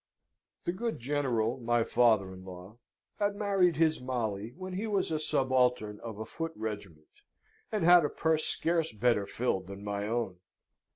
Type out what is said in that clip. The good General, my father in law, had married his Molly, when he was a subaltern of a foot regiment, and had a purse scarce better filled than my own.